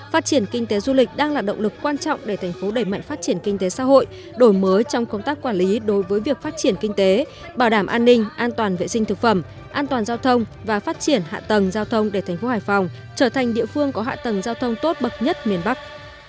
phát triển kinh tế du lịch đang là động lực quan trọng để thành phố đẩy mạnh phát triển kinh tế xã hội đổi mới trong công tác quản lý đối với việc phát triển kinh tế bảo đảm an ninh an toàn vệ sinh thực phẩm an toàn giao thông và phát triển hạ tầng giao thông để thành phố hải phòng trở thành địa phương có hạ tầng giao thông tốt bậc nhất miền bắc